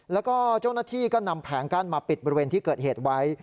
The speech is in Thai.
แล้วก็เจ้าหน้าที่ก็นำแผงกั้นมาปิดบริเวณที่เกิดเหตุไว้